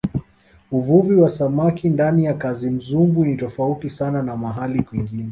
uvuvi wa samaki ndani ya kazimzumbwi ni tofauti sana na mahali kwingine